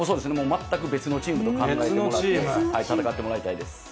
全く別のチームと考えてもらって、戦ってもらいたいです。